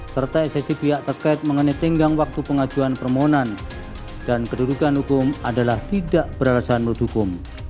serta esensi pihak terkait mengenai tenggang waktu pengajuan permohonan dan kedudukan hukum adalah tidak beralasan menurut hukum